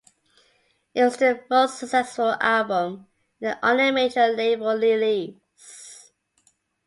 It was their most successful album and their only major-label release.